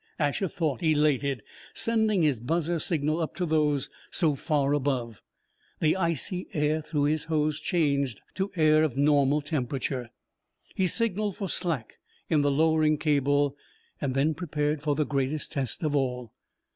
Asher thought, elated, sending his buzzer signal up to those so far above. The icy air through his hose changed to air of normal temperature. He signaled for slack in the lowering cable, then prepared for the greatest test of all.